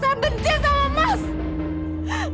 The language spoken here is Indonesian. saben dia sama mas